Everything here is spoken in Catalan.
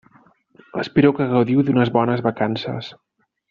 Espero que gaudiu d'unes bones vacances.